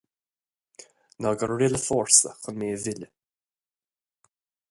Ná gur rith le fórsa chun mé a mhilleadh